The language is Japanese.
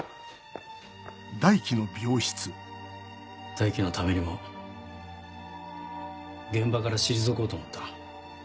大樹のためにも現場から退こうと思った。